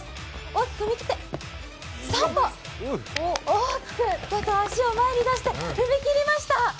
大きく足を前に出して踏み切りました。